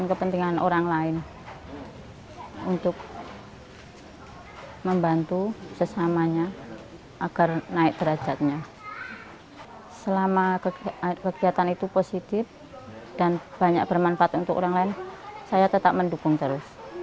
sarjana ekonomi lulusan sebuah perguruan tinggi swasta di surakarta ini